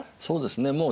そうですね。